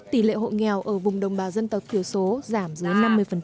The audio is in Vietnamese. tỷ lệ hộ nghèo ở vùng đồng bào dân tộc thiểu số giảm dưới năm mươi